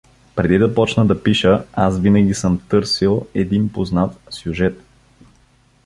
Преди да почна да пиша, аз винаги съм търсил един познат сюжет.